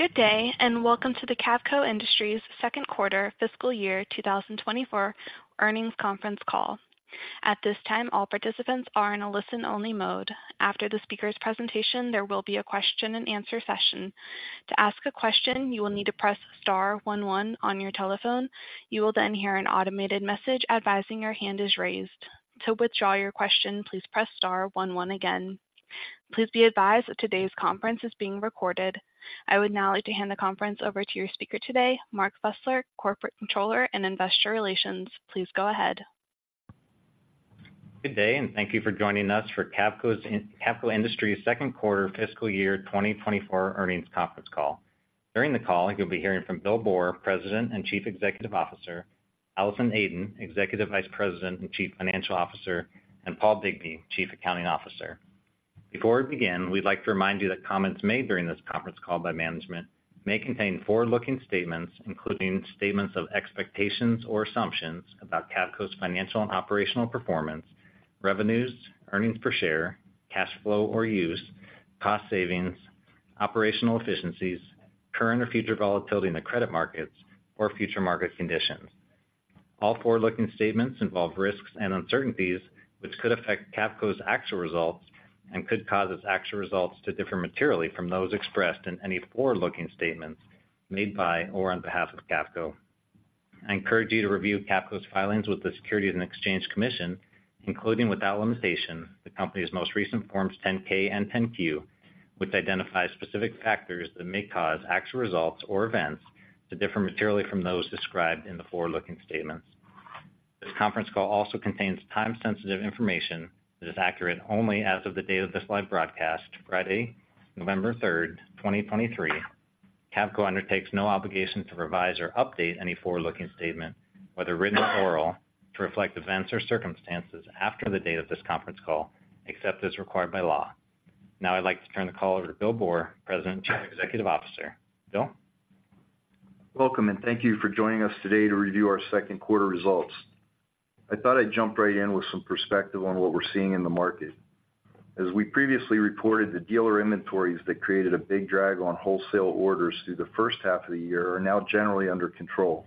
Good day, and welcome to the Cavco Industries second quarter fiscal year 2024 earnings conference call. At this time, all participants are in a listen-only mode. After the speaker's presentation, there will be a question-and-answer session. To ask a question, you will need to press star one one on your telephone. You will then hear an automated message advising your hand is raised. To withdraw your question, please press star one one again. Please be advised that today's conference is being recorded. I would now like to hand the conference over to your speaker today, Mark Fusler, Corporate Controller and Investor Relations. Please go ahead. Good day, and thank you for joining us for Cavco Industries second quarter fiscal year 2024 earnings conference call. During the call, you'll be hearing from Bill Boor, President and Chief Executive Officer, Allison Aden, Executive Vice President and Chief Financial Officer, and Paul Bigbee, Chief Accounting Officer. Before we begin, we'd like to remind you that comments made during this conference call by management may contain forward-looking statements, including statements of expectations or assumptions about Cavco's financial and operational performance, revenues, earnings per share, cash flow or use, cost savings, operational efficiencies, current or future volatility in the credit markets, or future market conditions. All forward-looking statements involve risks and uncertainties, which could affect Cavco's actual results and could cause its actual results to differ materially from those expressed in any forward-looking statements made by or on behalf of Cavco. I encourage you to review Cavco's filings with the Securities and Exchange Commission, including, without limitation, the company's most recent Forms 10-K and 10-Q, which identify specific factors that may cause actual results or events to differ materially from those described in the forward-looking statements. This conference call also contains time-sensitive information that is accurate only as of the date of this live broadcast, Friday, November 3, 2023. Cavco undertakes no obligation to revise or update any forward-looking statement, whether written or oral, to reflect events or circumstances after the date of this conference call, except as required by law. Now I'd like to turn the call over to Bill Boor, President and Chief Executive Officer. Bill? Welcome, and thank you for joining us today to review our second quarter results. I thought I'd jump right in with some perspective on what we're seeing in the market. As we previously reported, the dealer inventories that created a big drag on wholesale orders through the first half of the year are now generally under control.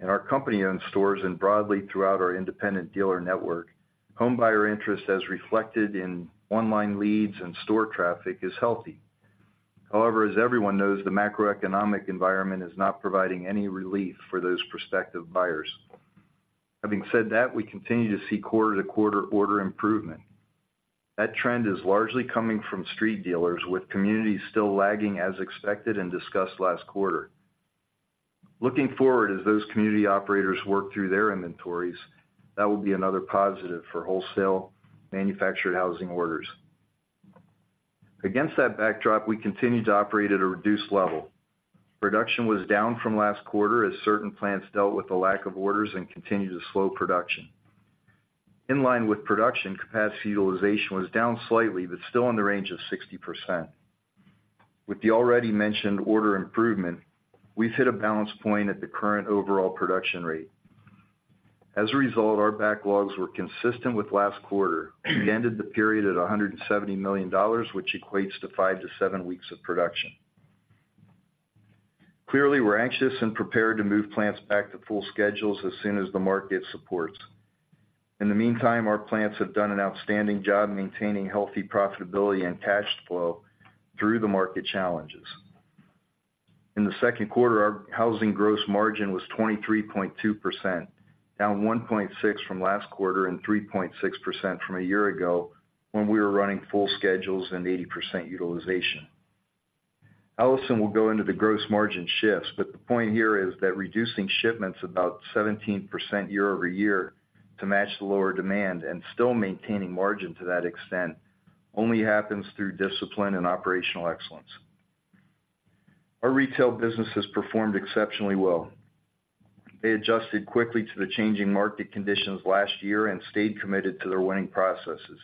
In our company-owned stores and broadly throughout our independent dealer network, homebuyer interest, as reflected in online leads and store traffic, is healthy. However, as everyone knows, the macroeconomic environment is not providing any relief for those prospective buyers. Having said that, we continue to see quarter-to-quarter order improvement. That trend is largely coming from street dealers, with communities still lagging as expected and discussed last quarter. Looking forward, as those community operators work through their inventories, that will be another positive for wholesale manufactured housing orders. Against that backdrop, we continue to operate at a reduced level. Production was down from last quarter as certain plants dealt with the lack of orders and continued to slow production. In line with production, capacity utilization was down slightly, but still in the range of 60%. With the already mentioned order improvement, we've hit a balance point at the current overall production rate. As a result, our backlogs were consistent with last quarter. We ended the period at $170 million, which equates to 5-7 weeks of production. Clearly, we're anxious and prepared to move plants back to full schedules as soon as the market supports. In the meantime, our plants have done an outstanding job maintaining healthy profitability and cash flow through the market challenges. In the second quarter, our housing gross margin was 23.2%, down 1.6 from last quarter and 3.6% from a year ago, when we were running full schedules and 80% utilization. Allison will go into the gross margin shifts, but the point here is that reducing shipments about 17% year-over-year to match the lower demand and still maintaining margin to that extent only happens through discipline and operational excellence. Our retail businesses performed exceptionally well. They adjusted quickly to the changing market conditions last year and stayed committed to their winning processes.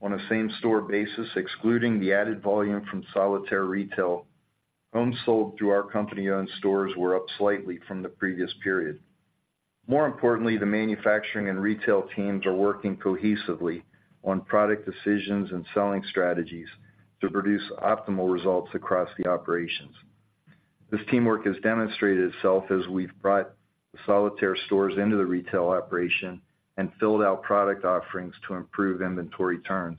On a same-store basis, excluding the added volume from Solitaire Retail, homes sold through our company-owned stores were up slightly from the previous period. More importantly, the manufacturing and retail teams are working cohesively on product decisions and selling strategies to produce optimal results across the operations. This teamwork has demonstrated itself as we've brought the Solitaire stores into the retail operation and filled out product offerings to improve inventory turns.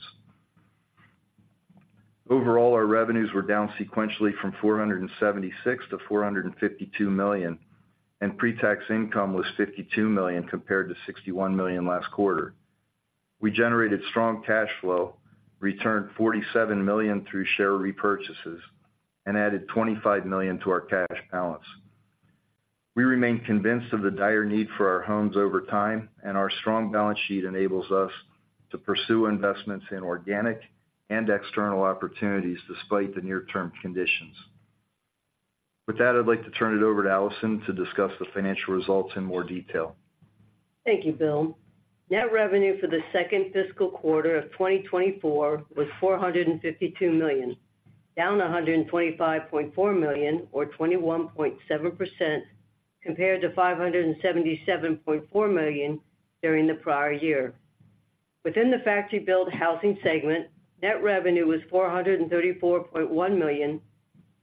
Overall, our revenues were down sequentially from $476 million to $452 million, and pre-tax income was $52 million, compared to $61 million last quarter. We generated strong cash flow, returned $47 million through share repurchases, and added $25 million to our cash balance. We remain convinced of the dire need for our homes over time, and our strong balance sheet enables us to pursue investments in organic and external opportunities despite the near-term conditions. With that, I'd like to turn it over to Allison to discuss the financial results in more detail. Thank you, Bill. Net revenue for the second fiscal quarter of 2024 was $452 million, down $125.4 million or 21.7% compared to $577.4 million during the prior year. Within the factory-built housing segment, net revenue was $434.1 million,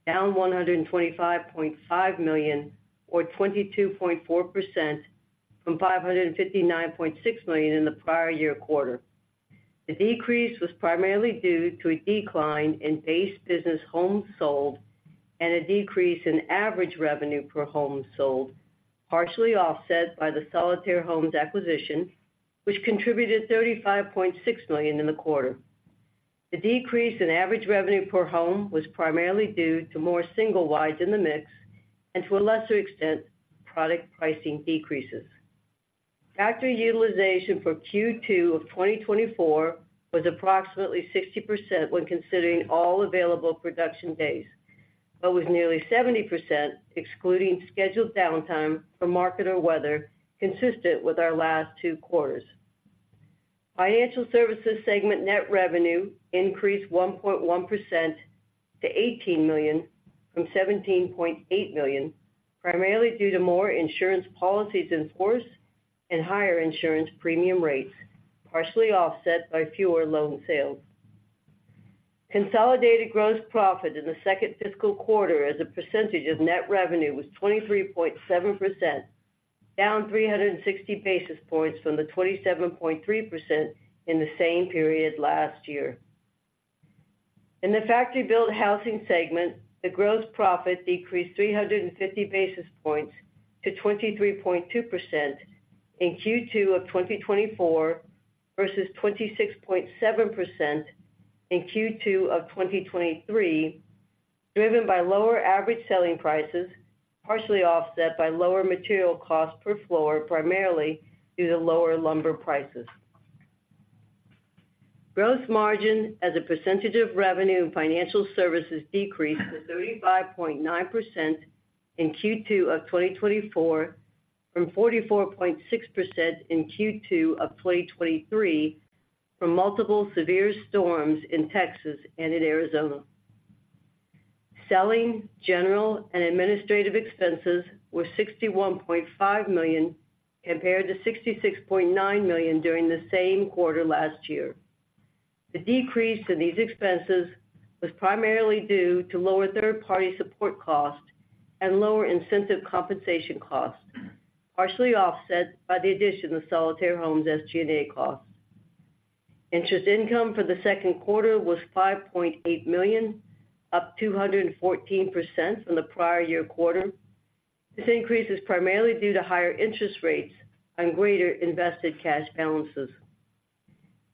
down $125.5 million, or 22.4% from $559.6 million in the prior year quarter. The decrease was primarily due to a decline in base business homes sold and a decrease in average revenue per home sold, partially offset by the Solitaire Homes acquisition, which contributed $35.6 million in the quarter. The decrease in average revenue per home was primarily due to more single-wides in the mix, and to a lesser extent, product pricing decreases. Factory utilization for Q2 of 2024 was approximately 60% when considering all available production days, but was nearly 70%, excluding scheduled downtime for market or weather, consistent with our last two quarters. Financial Services segment net revenue increased 1.1% to $18 million from $17.8 million, primarily due to more insurance policies in force and higher insurance premium rates, partially offset by fewer loan sales. Consolidated gross profit in the second fiscal quarter as a percentage of net revenue was 23.7%, down 360 basis points from the 27.3% in the same period last year. In the factory-built housing segment, the gross profit decreased 350 basis points to 23.2% in Q2 of 2024, versus 26.7% in Q2 of 2023, driven by lower average selling prices, partially offset by lower material costs per floor, primarily due to lower lumber prices. Gross margin as a percentage of revenue in financial services decreased to 35.9% in Q2 of 2024, from 44.6% in Q2 of 2023, from multiple severe storms in Texas and in Arizona. Selling, general, and administrative expenses were $61.5 million, compared to $66.9 million during the same quarter last year. The decrease in these expenses was primarily due to lower third-party support costs and lower incentive compensation costs, partially offset by the addition of Solitaire Homes SG&A costs. Interest income for the second quarter was $5.8 million, up 214% from the prior year quarter. This increase is primarily due to higher interest rates and greater invested cash balances.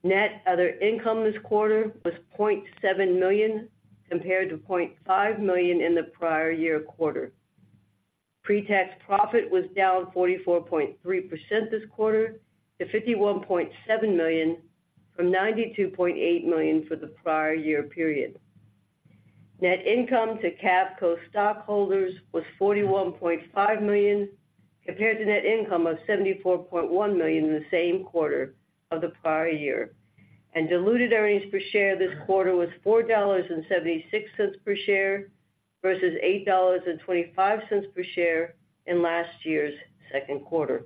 Net other income this quarter was $0.7 million, compared to $0.5 million in the prior year quarter. Pre-tax profit was down 44.3% this quarter to $51.7 million from $92.8 million for the prior year period. Net income to Cavco stockholders was $41.5 million, compared to net income of $74.1 million in the same quarter of the prior year, and diluted earnings per share this quarter was $4.76 per share, versus $8.25 per share in last year's second quarter.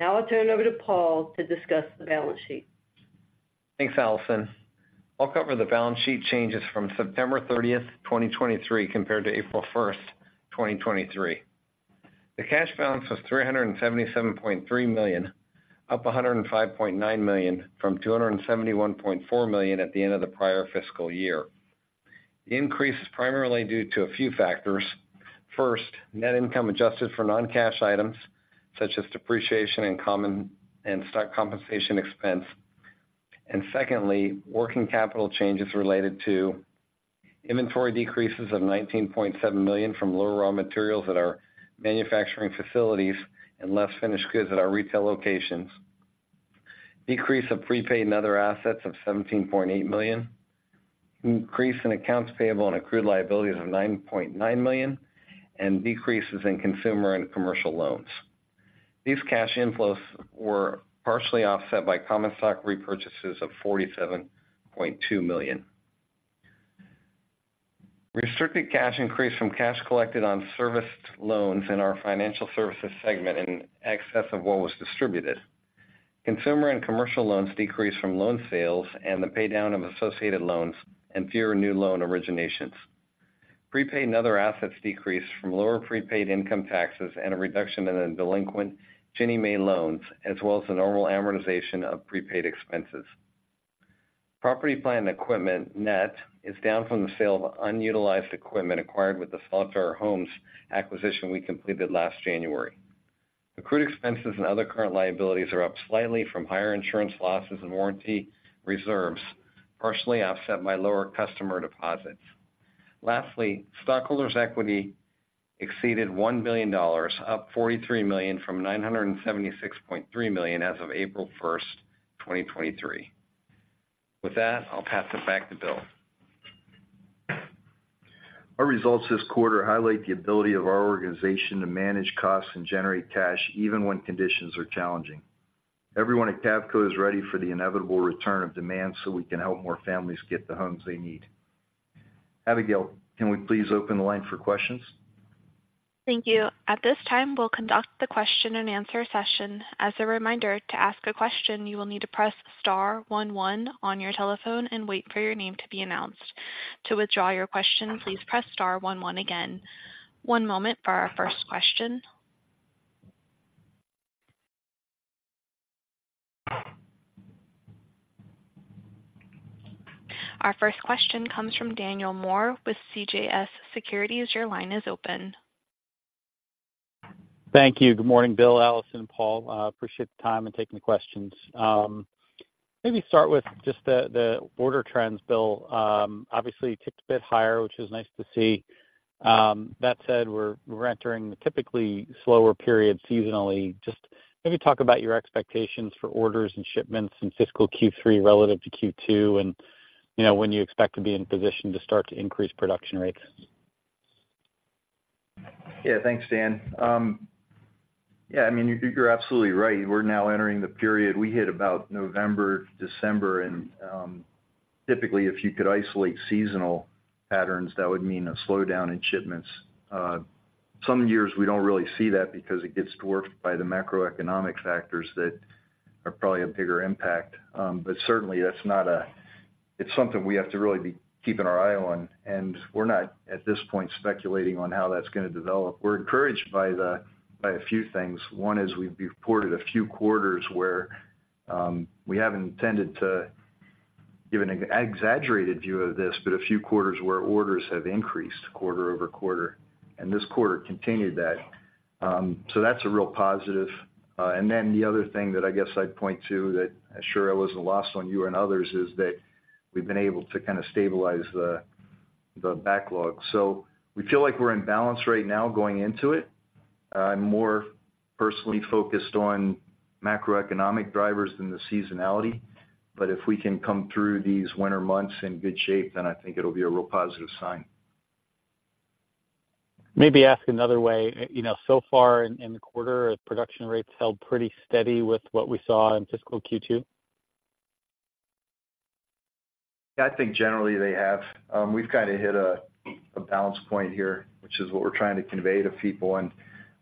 Now I'll turn it over to Paul to discuss the balance sheet. Thanks, Allison. I'll cover the balance sheet changes from September 30, 2023, compared to April 1, 2023. The cash balance was $377.3 million, up $105.9 million, from $271.4 million at the end of the prior fiscal year. The increase is primarily due to a few factors. First, net income adjusted for non-cash items such as depreciation and stock compensation expense. And secondly, working capital changes related to inventory decreases of $19.7 million from lower raw materials at our manufacturing facilities and less finished goods at our retail locations. Decrease of prepaid and other assets of $17.8 million, increase in accounts payable and accrued liabilities of $9.9 million, and decreases in consumer and commercial loans. These cash inflows were partially offset by common stock repurchases of $47.2 million. Restricted cash increased from cash collected on serviced loans in our financial services segment in excess of what was distributed. Consumer and commercial loans decreased from loan sales and the paydown of associated loans and fewer new loan originations. Prepaid and other assets decreased from lower prepaid income taxes and a reduction in delinquent Ginnie Mae loans, as well as the normal amortization of prepaid expenses. Property, plant, and equipment net is down from the sale of unutilized equipment acquired with the Solitaire Homes acquisition we completed last January. Accrued expenses and other current liabilities are up slightly from higher insurance losses and warranty reserves, partially offset by lower customer deposits. Lastly, stockholders' equity exceeded $1 billion, up $43 million from $976.3 million as of April first, 2023. With that, I'll pass it back to Bill. Our results this quarter highlight the ability of our organization to manage costs and generate cash even when conditions are challenging. Everyone at Cavco is ready for the inevitable return of demand, so we can help more families get the homes they need... Abigail, can we please open the line for questions? Thank you. At this time, we'll conduct the question-and-answer session. As a reminder, to ask a question, you will need to press star one one on your telephone and wait for your name to be announced. To withdraw your question, please press star one one again. One moment for our first question. Our first question comes from Daniel Moore with CJS Securities. Your line is open. Thank you. Good morning, Bill, Allison, and Paul. Appreciate the time and taking the questions. Maybe start with just the, the order trends, Bill. Obviously, ticked a bit higher, which is nice to see. That said, we're, we're entering the typically slower period seasonally. Just maybe talk about your expectations for orders and shipments in fiscal Q3 relative to Q2, and, you know, when you expect to be in position to start to increase production rates. Yeah, thanks, Dan. Yeah, I mean, you, you're absolutely right. We're now entering the period we hit about November, December, and, typically, if you could isolate seasonal patterns, that would mean a slowdown in shipments. Some years we don't really see that because it gets dwarfed by the macroeconomic factors that are probably a bigger impact. But certainly that's not a-- it's something we have to really be keeping our eye on, and we're not, at this point, speculating on how that's going to develop. We're encouraged by the- by a few things. One is we've reported a few quarters where, we haven't tended to give an exaggerated view of this, but a few quarters where orders have increased quarter over quarter, and this quarter continued that. So that's a real positive. And then the other thing that I guess I'd point to that I'm sure it wasn't lost on you and others, is that we've been able to kind of stabilize the backlog. So we feel like we're in balance right now going into it. I'm more personally focused on macroeconomic drivers than the seasonality, but if we can come through these winter months in good shape, then I think it'll be a real positive sign. Maybe ask another way. You know, so far in the quarter, have production rates held pretty steady with what we saw in fiscal Q2? I think generally they have. We've kind of hit a balance point here, which is what we're trying to convey to people, and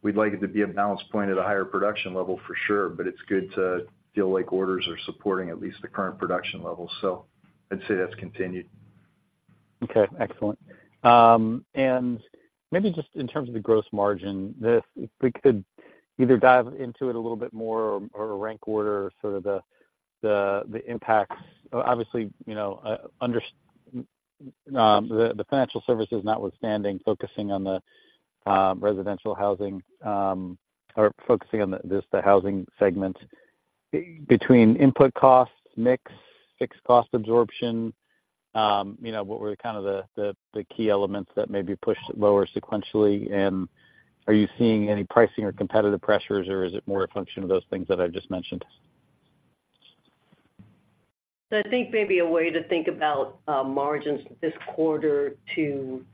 we'd like it to be a balance point at a higher production level for sure, but it's good to feel like orders are supporting at least the current production level. So I'd say that's continued. Okay, excellent. And maybe just in terms of the gross margin, this, if we could either dive into it a little bit more or, or rank order sort of the, the, the impacts. Obviously, you know, understanding the financial services notwithstanding, focusing on the residential housing, or focusing on just the housing segment. Between input costs, mix, fixed cost absorption, you know, what were kind of the key elements that maybe pushed it lower sequentially? And are you seeing any pricing or competitive pressures, or is it more a function of those things that I just mentioned? So I think maybe a way to think about margins this quarter to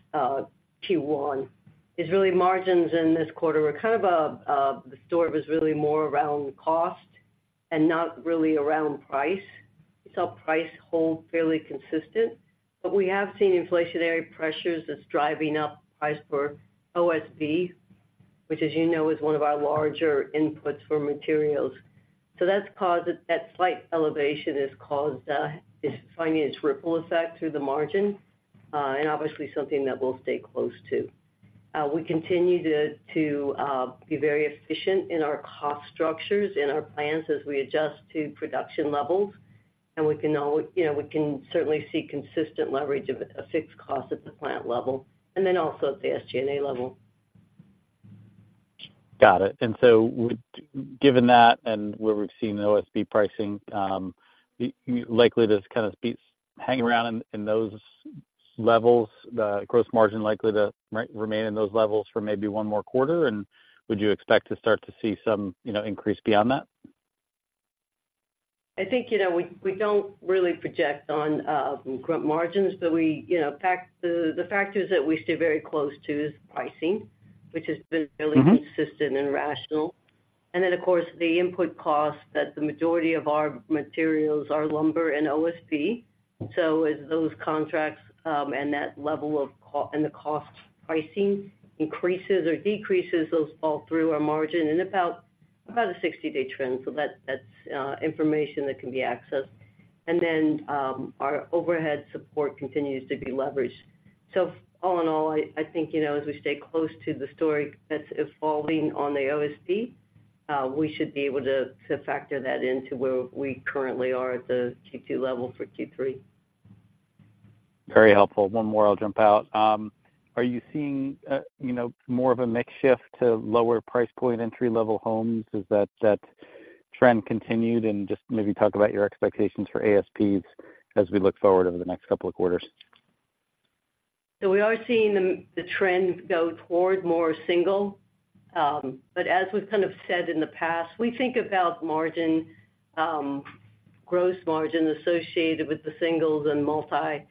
Q1 is really margins in this quarter were kind of the story was really more around cost and not really around price. We saw price hold fairly consistent, but we have seen inflationary pressures that's driving up price for OSB, which, as you know, is one of our larger inputs for materials. So that's caused it. That slight elevation has caused this financial ripple effect through the margin, and obviously something that we'll stay close to. We continue to be very efficient in our cost structures, in our plans as we adjust to production levels, and we can all, you know, we can certainly see consistent leverage of a fixed cost at the plant level and then also at the SG&A level. Got it. And so given that and where we've seen the OSB pricing, likely to kind of be hanging around in those levels, the gross margin likely to remain in those levels for maybe one more quarter? And would you expect to start to see some, you know, increase beyond that? I think, you know, we don't really project on gross margins, but we, you know, the factors that we stay very close to is pricing, which has been really consistent and rational. And then, of course, the input costs that the majority of our materials are lumber and OSB. So as those contracts and that level of cost and the cost pricing increases or decreases, those fall through our margin in about a 60-day trend. So that's information that can be accessed. And then, our overhead support continues to be leveraged. So all in all, I think, you know, as we stay close to the story that's evolving on the OSB, we should be able to factor that into where we currently are at the Q2 level for Q3. Very helpful. One more, I'll jump out. Are you seeing, you know, more of a mix shift to lower price point entry-level homes? Is that, that trend continued? And just maybe talk about your expectations for ASPs as we look forward over the next couple of quarters. So we are seeing the trend go toward more single. But as we've kind of said in the past, we think about margin, gross margin associated with the singles and multi,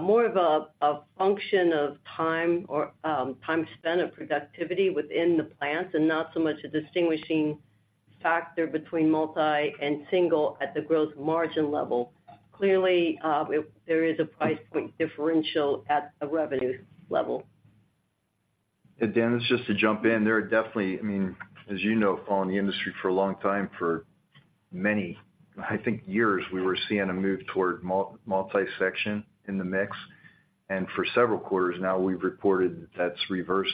more of a function of time or time spent and productivity within the plants and not so much a distinguishing factor between multi and single at the gross margin level. Clearly, there is a price point differential at a revenue level. And Dan, just to jump in, there are definitely, I mean, as you know, following the industry for a long time, for many, I think, years, we were seeing a move toward multi-section in the mix. And for several quarters now, we've reported that's reversed.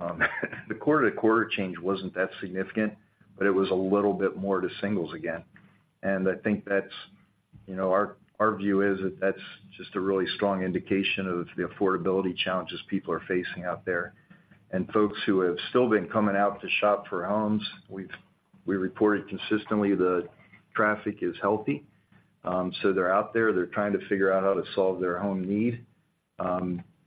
The quarter-to-quarter change wasn't that significant, but it was a little bit more to singles again. And I think that's, you know, our view is that that's just a really strong indication of the affordability challenges people are facing out there. And folks who have still been coming out to shop for homes, we've reported consistently the traffic is healthy. So they're out there. They're trying to figure out how to solve their own need.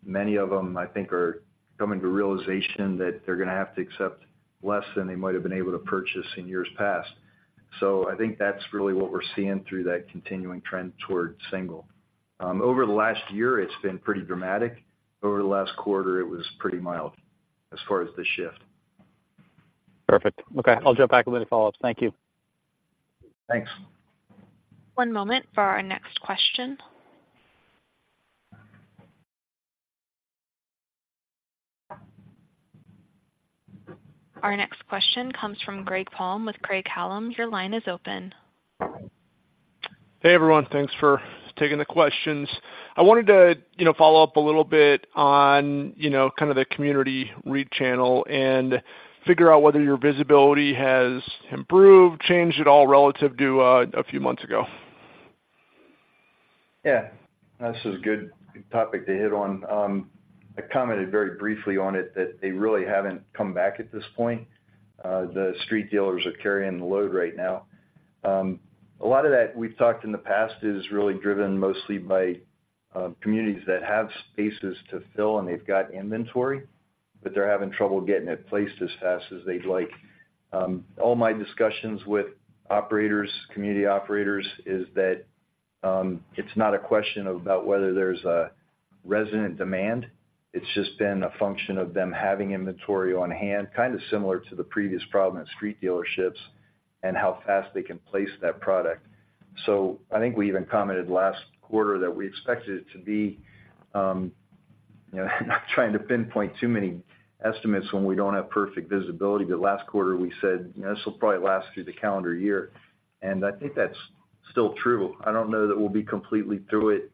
Many of them, I think, are coming to realization that they're gonna have to accept less than they might have been able to purchase in years past. So I think that's really what we're seeing through that continuing trend towards single. Over the last year, it's been pretty dramatic. Over the last quarter, it was pretty mild as far as the shift. Perfect. Okay, I'll jump back with any follow-ups. Thank you. Thanks. One moment for our next question. Our next question comes from Greg Palm with Craig-Hallum. Your line is open. Hey, everyone. Thanks for taking the questions. I wanted to, you know, follow up a little bit on, you know, kind of the community REIT channel and figure out whether your visibility has improved, changed at all relative to a few months ago. Yeah, this is a good topic to hit on. I commented very briefly on it, that they really haven't come back at this point. The street dealers are carrying the load right now. A lot of that, we've talked in the past, is really driven mostly by communities that have spaces to fill, and they've got inventory, but they're having trouble getting it placed as fast as they'd like. All my discussions with operators, community operators, is that it's not a question about whether there's a resident demand. It's just been a function of them having inventory on hand, kind of similar to the previous problem at street dealerships and how fast they can place that product. So I think we even commented last quarter that we expected it to be, you know, not trying to pinpoint too many estimates when we don't have perfect visibility, but last quarter we said, "This will probably last through the calendar year." And I think that's still true. I don't know that we'll be completely through it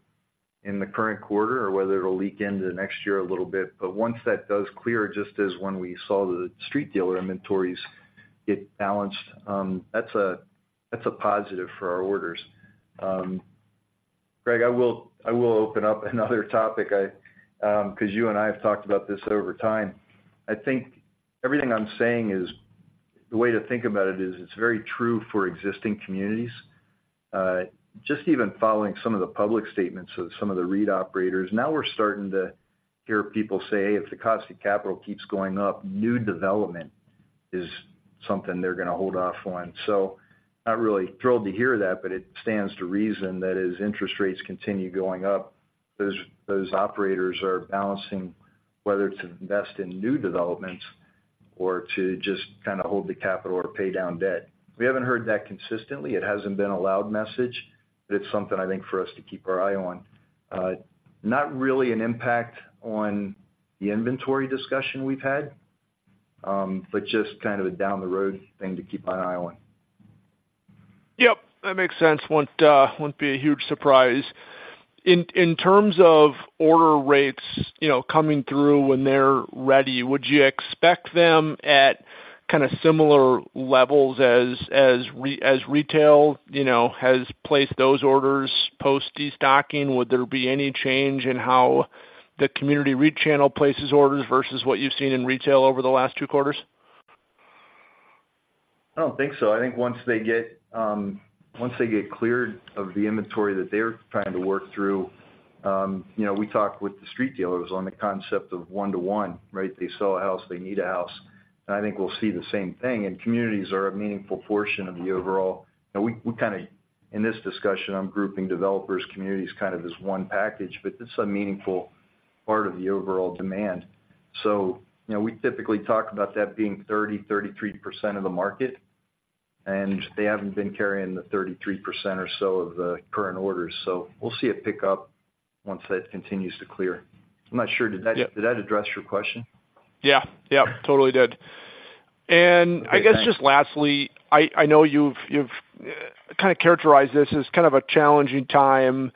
in the current quarter or whether it'll leak into next year a little bit, but once that does clear, just as when we saw the street dealer inventories get balanced, that's a positive for our orders. Greg, I will open up another topic I 'cause you and I have talked about this over time. I think everything I'm saying is, the way to think about it is, it's very true for existing communities. Just even following some of the public statements of some of the REIT operators, now we're starting to hear people say, if the cost of capital keeps going up, new development is something they're gonna hold off on. So not really thrilled to hear that, but it stands to reason that as interest rates continue going up, those operators are balancing whether to invest in new developments or to just kind of hold the capital or pay down debt. We haven't heard that consistently. It hasn't been a loud message. But it's something I think for us to keep our eye on. Not really an impact on the inventory discussion we've had, but just kind of a down the road thing to keep my eye on. Yep, that makes sense. Wouldn't be a huge surprise. In terms of order rates, you know, coming through when they're ready, would you expect them at kind of similar levels as retail, you know, has placed those orders post-destocking? Would there be any change in how the community REIT channel places orders versus what you've seen in retail over the last two quarters? I don't think so. I think once they get cleared of the inventory that they're trying to work through, you know, we talked with the street dealers on the concept of 1:1, right? They sell a house, they need a house. And I think we'll see the same thing, and communities are a meaningful portion of the overall... Now, in this discussion, I'm grouping developers, communities, kind of as one package, but it's a meaningful part of the overall demand. So you know, we typically talk about that being 30-33% of the market, and they haven't been carrying the 33% or so of the current orders. So we'll see it pick up once that continues to clear. I'm not sure. Did that- Yep. Did that address your question? Yeah. Yep, totally did. Okay, thanks. I guess, just lastly, I know you've kind of characterized this as kind of a challenging time,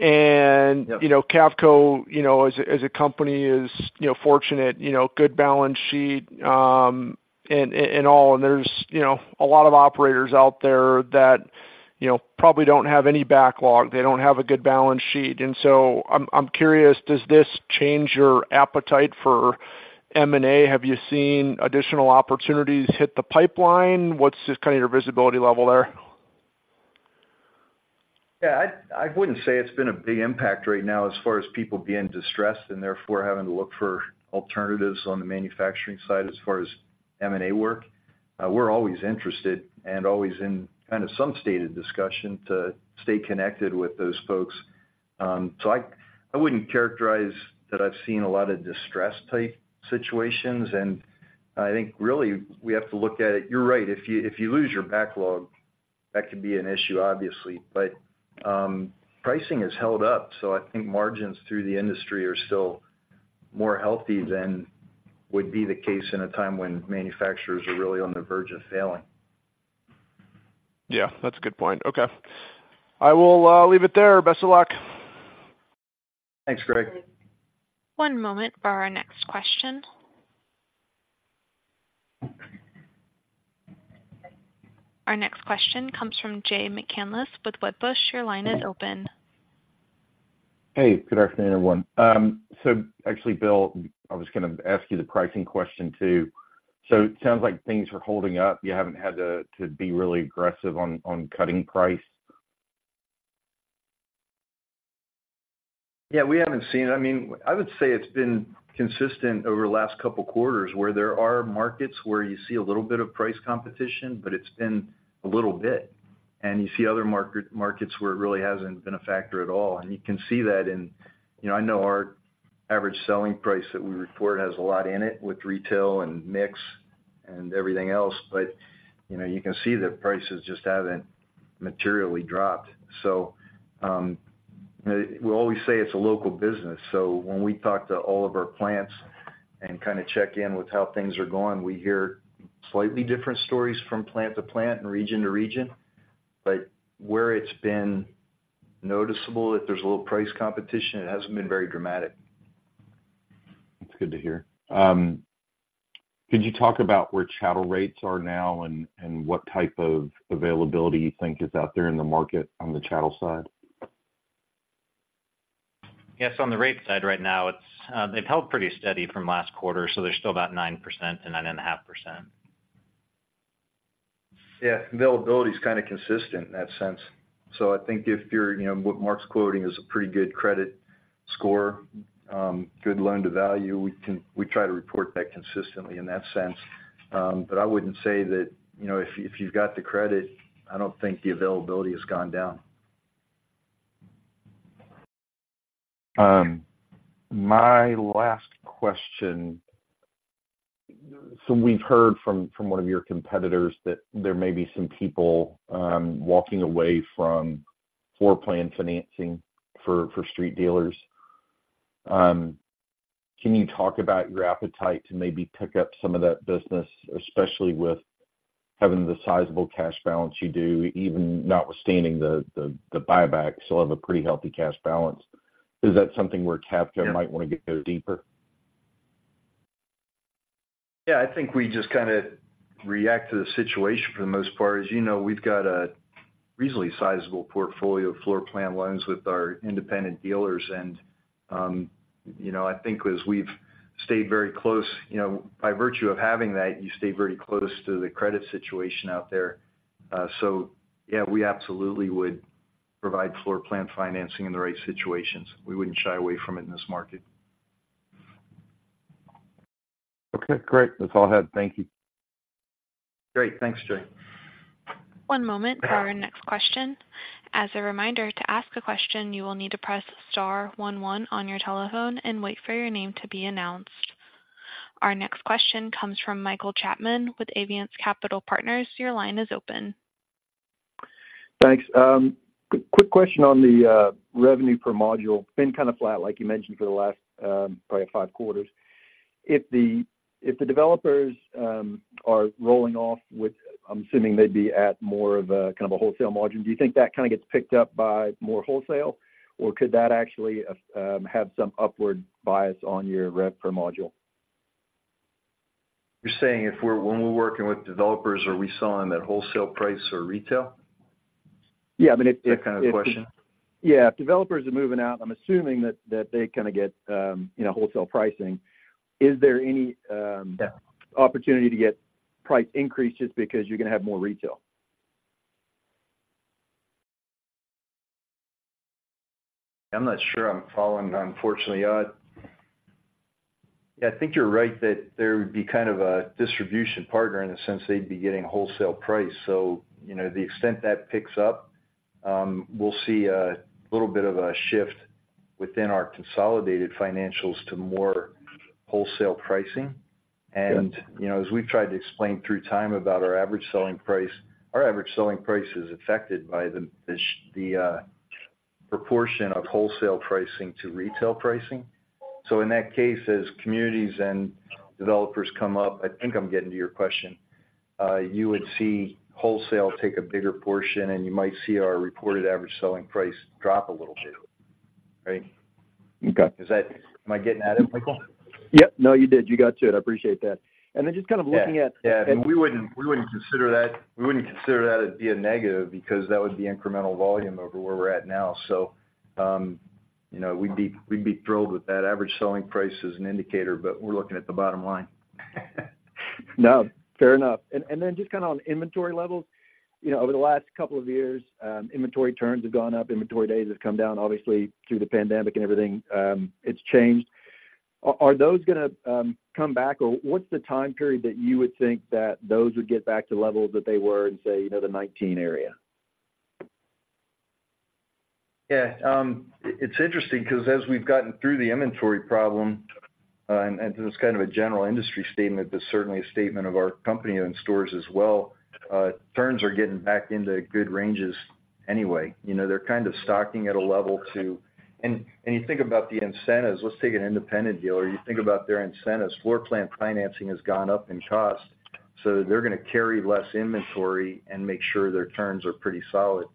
and- Yep... you know, Cavco, you know, as a company is, you know, fortunate, you know, good balance sheet, and all. And there's, you know, a lot of operators out there that, you know, probably don't have any backlog. They don't have a good balance sheet. And so I'm curious, does this change your appetite for M&A? Have you seen additional opportunities hit the pipeline? What's just kind of your visibility level there? Yeah, I wouldn't say it's been a big impact right now as far as people being distressed and therefore having to look for alternatives on the manufacturing side as far as M&A work. We're always interested and always in kind of some state of discussion to stay connected with those folks. So I wouldn't characterize that I've seen a lot of distress-type situations, and I think really we have to look at it. You're right. If you lose your backlog, that could be an issue, obviously. But pricing has held up, so I think margins through the industry are still more healthy than would be the case in a time when manufacturers are really on the verge of failing. Yeah, that's a good point. Okay. I will leave it there. Best of luck. Thanks, Greg. One moment for our next question. Our next question comes from Jay McCanless with Wedbush. Your line is open. Hey, good afternoon, everyone. So actually, Bill, I was gonna ask you the pricing question, too. So it sounds like things are holding up. You haven't had to be really aggressive on cutting price? Yeah, we haven't seen it. I mean, I would say it's been consistent over the last couple quarters, where there are markets where you see a little bit of price competition, but it's been a little bit, and you see other market, markets where it really hasn't been a factor at all. And you can see that in, you know, I know our average selling price that we report has a lot in it with retail and mix and everything else, but, you know, you can see that prices just haven't materially dropped. So, we always say it's a local business. So when we talk to all of our plants and kind of check in with how things are going, we hear slightly different stories from plant to plant and region to region. But where it's been noticeable that there's a little price competition, it hasn't been very dramatic. That's good to hear. Could you talk about where chattel rates are now and, and what type of availability you think is out there in the market on the chattel side? Yes, on the rate side right now, it's, they've held pretty steady from last quarter, so they're still about 9%-9.5%. Yeah, availability is kind of consistent in that sense. So I think if you're, you know, what Mark's quoting is a pretty good credit score, good loan-to-value. We try to report that consistently in that sense. But I wouldn't say that, you know, if, if you've got the credit, I don't think the availability has gone down. My last question: so we've heard from one of your competitors that there may be some people walking away from floor plan financing for street dealers. Can you talk about your appetite to maybe pick up some of that business, especially with having the sizable cash balance you do, even notwithstanding the buyback, still have a pretty healthy cash balance. Is that something where Cavco might want to go deeper? Yeah, I think we just kind of react to the situation for the most part. As you know, we've got a reasonably sizable portfolio of floor plan loans with our independent dealers, and, you know, I think as we've stayed very close, you know, by virtue of having that, you stay very close to the credit situation out there. So yeah, we absolutely would provide floor plan financing in the right situations. We wouldn't shy away from it in this market. Okay, great. That's all I had. Thank you. Great. Thanks, Jay. One moment for our next question. As a reminder, to ask a question, you will need to press star one one on your telephone and wait for your name to be announced. Our next question comes from Michael Chapman with Aviance Capital Partners. Your line is open. Thanks. Quick question on the revenue per module. Been kind of flat, like you mentioned, for the last probably five quarters. If the developers are rolling off with... I'm assuming they'd be at more of a kind of a wholesale margin. Do you think that kind of gets picked up by more wholesale, or could that actually have some upward bias on your rev per module? You're saying when we're working with developers, are we selling at wholesale price or retail? Yeah, I mean, if- Is that kind of the question? Yeah. If developers are moving out, I'm assuming that, that they kind of get, you know, wholesale pricing. Is there any- Yeah... opportunity to get price increases because you're going to have more retail? I'm not sure I'm following, unfortunately, Odd. I think you're right that there would be kind of a distribution partner in the sense they'd be getting wholesale price. So, you know, the extent that picks up, we'll see a little bit of a shift within our consolidated financials to more wholesale pricing. Yeah. You know, as we've tried to explain through time about our average selling price, our average selling price is affected by the proportion of wholesale pricing to retail pricing. So in that case, as communities and developers come up, I think I'm getting to your question, you would see wholesale take a bigger portion, and you might see our reported average selling price drop a little bit. Right? Okay. Am I getting at it, Michael? Yep. No, you did. You got to it. I appreciate that. And then just kind of looking at- Yeah, yeah, and we wouldn't, we wouldn't consider that, we wouldn't consider that as being a negative because that would be incremental volume over where we're at now. So, you know, we'd be, we'd be thrilled with that average selling price as an indicator, but we're looking at the bottom line. No, fair enough. And then just kind of on inventory levels, you know, over the last couple of years, inventory turns have gone up, inventory days have come down, obviously, through the pandemic and everything, it's changed. Are those gonna come back? Or what's the time period that you would think that those would get back to levels that they were in, say, you know, the 2019 area? Yeah. It's interesting because as we've gotten through the inventory problem, and this is kind of a general industry statement, but certainly a statement of our company and stores as well, turns are getting back into good ranges anyway. You know, they're kind of stocking at a level. And you think about the incentives. Let's take an independent dealer. You think about their incentives. Floor plan financing has gone up in cost, so they're gonna carry less inventory and make sure their turns are pretty solid.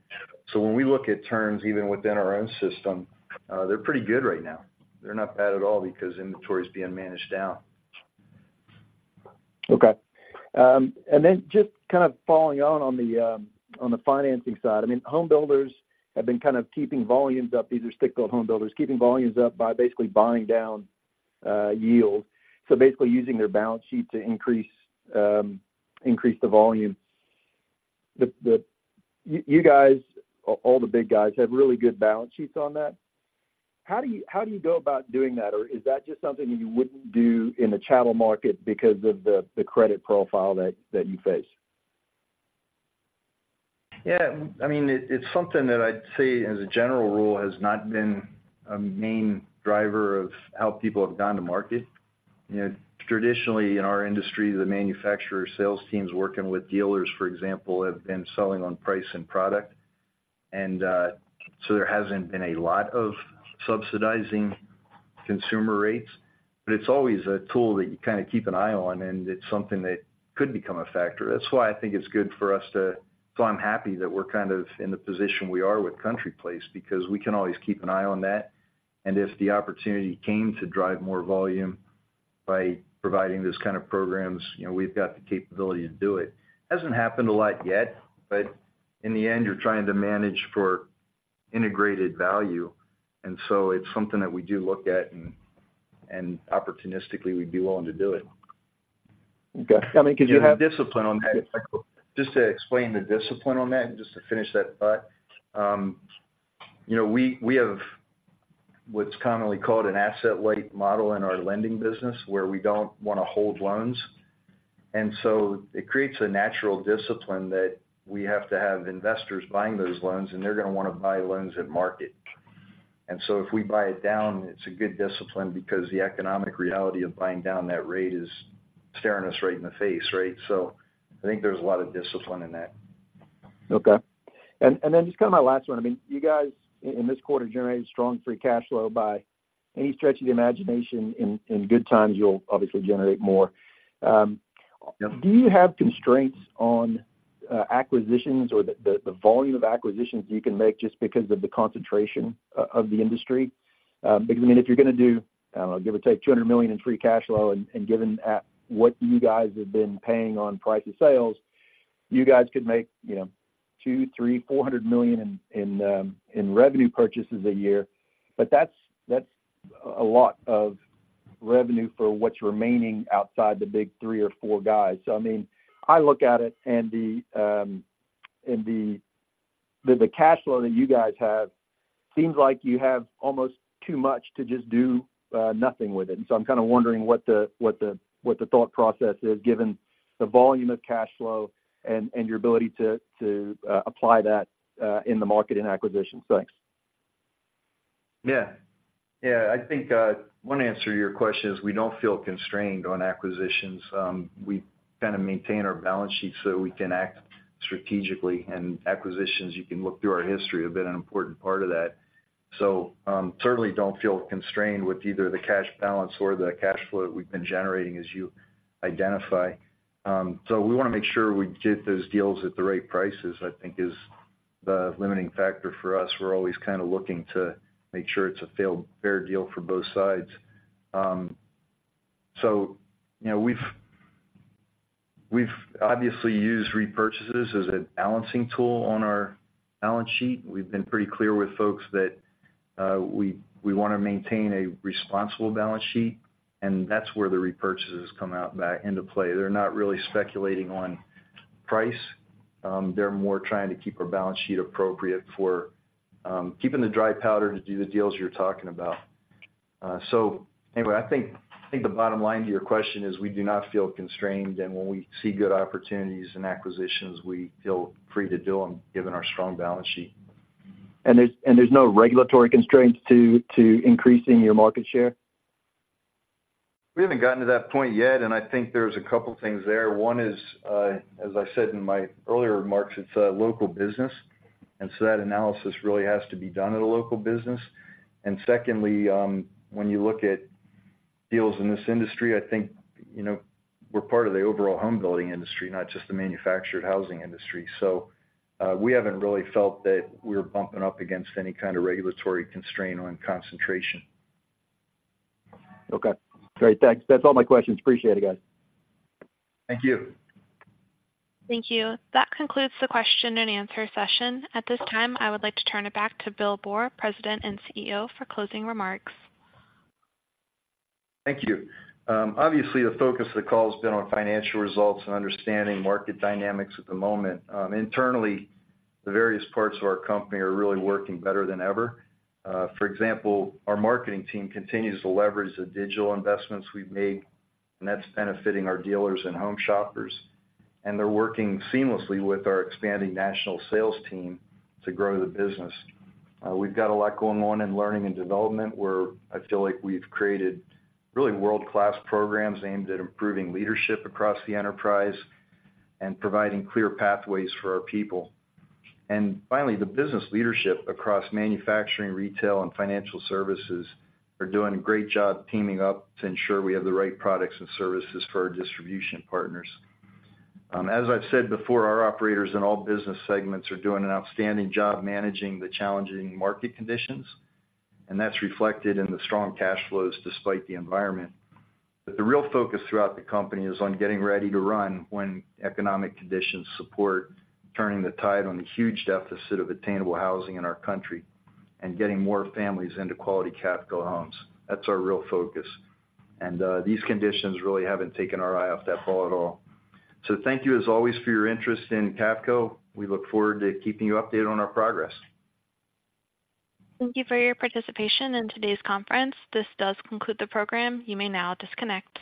So when we look at turns, even within our own system, they're pretty good right now. They're not bad at all because inventory is being managed down. Okay. And then just kind of following on the financing side, I mean, homebuilders have been kind of keeping volumes up. These are stick-built homebuilders, keeping volumes up by basically buying down yields. So basically using their balance sheet to increase the volume. You guys, all the big guys have really good balance sheets on that. How do you go about doing that? Or is that just something you wouldn't do in the channel market because of the credit profile that you face? Yeah, I mean, it, it's something that I'd say, as a general rule, has not been a main driver of how people have gone to market. You know, traditionally, in our industry, the manufacturer sales teams working with dealers, for example, have been selling on price and product. And, so there hasn't been a lot of subsidizing consumer rates, but it's always a tool that you kind of keep an eye on, and it's something that could become a factor. That's why I think it's good for us to... So I'm happy that we're kind of in the position we are with CountryPlace, because we can always keep an eye on that. And if the opportunity came to drive more volume by providing these kind of programs, you know, we've got the capability to do it. Hasn't happened a lot yet, but in the end, you're trying to manage for integrated value. And so it's something that we do look at, and, and opportunistically, we'd be willing to do it. Okay. I mean, 'cause you have- Discipline on that. Just to explain the discipline on that, just to finish that thought. You know, we, we have what's commonly called an asset-light model in our lending business, where we don't wanna hold loans. And so it creates a natural discipline that we have to have investors buying those loans, and they're gonna wanna buy loans at market. And so if we buy it down, it's a good discipline because the economic reality of buying down that rate is staring us right in the face, right? So I think there's a lot of discipline in that. Okay. And then just kind of my last one, I mean, you guys, in this quarter, generated strong free cash flow by any stretch of the imagination. In good times, you'll obviously generate more. Do you have constraints on acquisitions or the volume of acquisitions you can make just because of the concentration of the industry? Because, I mean, if you're gonna do, I don't know, give or take $200 million in free cash flow, and given at what you guys have been paying on price of sales, you guys could make, you know, $200-$400 million in revenue purchases a year. But that's a lot of revenue for what's remaining outside the big three or four guys. So I mean, I look at it and the cash flow that you guys have seems like you have almost too much to just do nothing with it. And so I'm kind of wondering what the thought process is, given the volume of cash flow and your ability to apply that in the market in acquisitions. Thanks. Yeah. Yeah, I think one answer to your question is we don't feel constrained on acquisitions. We kind of maintain our balance sheet so that we can act strategically, and acquisitions, you can look through our history, have been an important part of that. So, certainly don't feel constrained with either the cash balance or the cash flow that we've been generating as you identify. So we wanna make sure we get those deals at the right prices, I think is the limiting factor for us. We're always kind of looking to make sure it's a fair, fair deal for both sides. So you know, we've, we've obviously used repurchases as a balancing tool on our balance sheet. We've been pretty clear with folks that we, we wanna maintain a responsible balance sheet, and that's where the repurchases come out back into play. They're not really speculating on price. They're more trying to keep our balance sheet appropriate for keeping the dry powder to do the deals you're talking about. So anyway, I think, I think the bottom line to your question is we do not feel constrained, and when we see good opportunities and acquisitions, we feel free to do them, given our strong balance sheet. There's no regulatory constraints to increasing your market share? We haven't gotten to that point yet, and I think there's a couple things there. One is, as I said in my earlier remarks, it's a local business, and so that analysis really has to be done at a local business. And secondly, when you look at deals in this industry, I think, you know, we're part of the overall homebuilding industry, not just the manufactured housing industry. So, we haven't really felt that we're bumping up against any kind of regulatory constraint on concentration. Okay. Great. Thanks. That's all my questions. Appreciate it, guys. Thank you. Thank you. That concludes the question and answer session. At this time, I would like to turn it back to Bill Boor, President and CEO, for closing remarks. Thank you. Obviously, the focus of the call has been on financial results and understanding market dynamics at the moment. Internally, the various parts of our company are really working better than ever. For example, our marketing team continues to leverage the digital investments we've made, and that's benefiting our dealers and home shoppers, and they're working seamlessly with our expanding national sales team to grow the business. We've got a lot going on in learning and development, where I feel like we've created really world-class programs aimed at improving leadership across the enterprise and providing clear pathways for our people. And finally, the business leadership across manufacturing, retail, and financial services are doing a great job teaming up to ensure we have the right products and services for our distribution partners. As I've said before, our operators in all business segments are doing an outstanding job managing the challenging market conditions, and that's reflected in the strong cash flows despite the environment. But the real focus throughout the company is on getting ready to run when economic conditions support turning the tide on the huge deficit of attainable housing in our country and getting more families into quality Cacoo homes. That's our real focus, and these conditions really haven't taken our eye off that ball at all. So thank you as always, for your interest in Cavco. We look forward to keeping you updated on our progress. Thank you for your participation in today's conference. This does conclude the program. You may now disconnect.